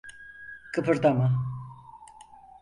Kıpırdama.